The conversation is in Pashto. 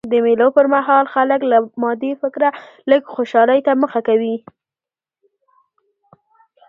د مېلو پر مهال خلک له مادي فکره لږ خوشحالۍ ته مخه کوي.